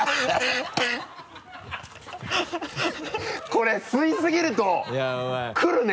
これ吸い過ぎるとくるね！